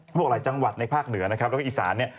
ก็บอกหลายจังหวัดในภาคเหนือแล้วอีสาน